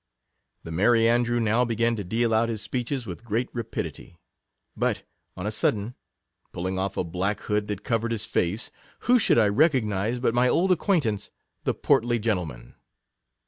The Merry Andrew now be gan to deal out his speeches with great rapi dity; but, on a sudden, pulling off a black hood that covered his face, who should I re cognize but my old acquaintance, the portly gentleman.